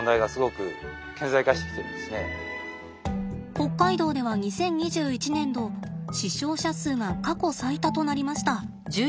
北海道では２０２１年度死傷者数が過去最多となりました。